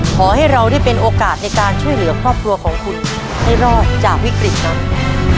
ขอให้เราได้เป็นโอกาสในการช่วยเหลือครอบครัวของคุณให้รอดจากวิกฤตนั้น